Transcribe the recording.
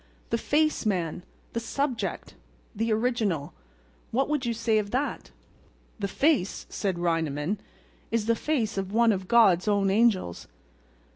"The face, man—the subject—the original—what would you say of that?" "The face," said Reineman, "is the face of one of God's own angels.